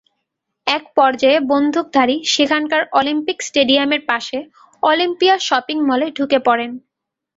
একপর্যায়ে বন্দুকধারী সেখানকার অলিম্পিক স্টেডিয়ামের পাশে অলিম্পিয়া শপিং মলে ঢুকে পড়েন।